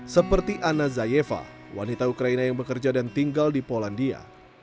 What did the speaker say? seperti ana zayeva wanita ukraina yang bekerja dan tinggal di polandia